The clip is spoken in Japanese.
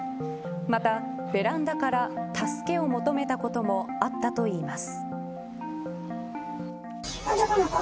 また、ベランダから助けを求めたこともあったといいます。